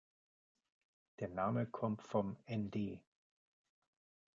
Der Name kommt vom nd.